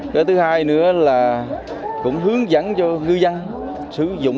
cái thứ hai nữa là cũng hướng dẫn cho ngư dân sử dụng